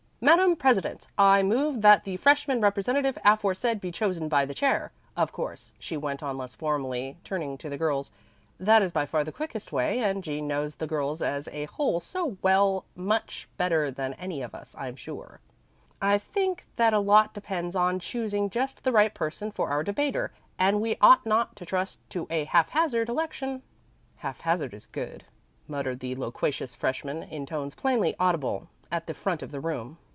"Madame president, I move that the freshman representative aforesaid be chosen by the chair. Of course," she went on less formally, turning to the girls, "that is by far the quickest way, and Jean knows the girls as a whole so well much better than any of us, I'm sure. I think that a lot depends on choosing just the right person for our debater, and we ought not to trust to a haphazard election." "Haphazard is good," muttered the loquacious freshman, in tones plainly audible at the front of the room.